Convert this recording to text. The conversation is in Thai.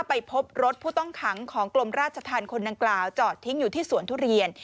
ไปพบรถผู้ต้องขังของกรมราชธรรมคนดังกล่าวจอดทิ้งอยู่ที่สวนทุเรียน